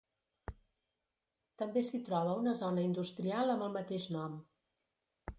També s'hi troba una zona industrial amb el mateix nom.